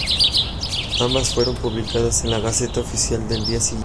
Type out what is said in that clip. Ambos fueron publicado en la "Gaceta Oficial" del día siguiente.